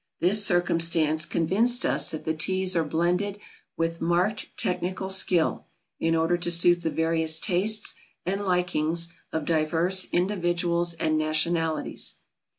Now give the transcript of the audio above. This circumstance convinced us that the Teas are blended with marked technical skill, in order to suit the various tastes and likings of divers individuals and nationalities.